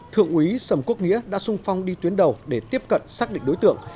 thượng úy sầm quốc nghĩa đã sung phong đi tuyến đầu để tiếp cận xác định đối tượng